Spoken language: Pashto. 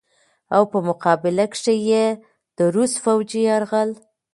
او په مقابله کښې ئې د روس فوجي يرغل